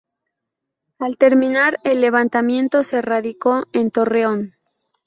Al terminar el levantamiento se radicó en Torreón.